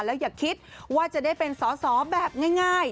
แล้วอย่าคิดว่าจะได้เป็นสอสอแบบง่าย